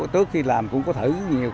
trước khi làm cũng có thử nhiều